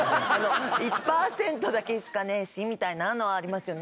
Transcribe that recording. １％だけしかねえしみたいなのはありますよね。